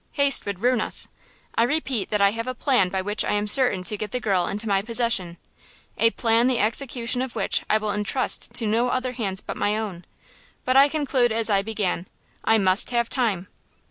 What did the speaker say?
Haste would ruin us. I repeat that I have a plan by which I am certain to get the girl into my possession–a plan the execution of which I will entrust to no other hands but my own. But I conclude as I began–I must have time."